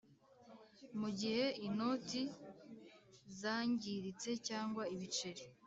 Mu gihe inoti zangiritse cyangwa ibiceri